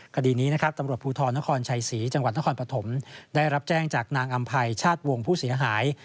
คดีนี้นะครับตำรวจภูทรนครชัยศรีจังหวัดนครปฐมได้รับแจ้งจากนางอำภัยชาติวงผู้เสียหาย